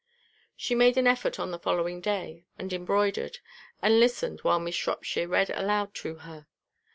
She made an effort on the following day, and embroidered, and listened while Miss Shropshire read aloud to her.